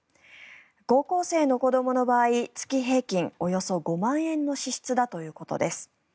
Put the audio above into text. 高校生の子どもの場合月平均、およそ５万円の支出だということです。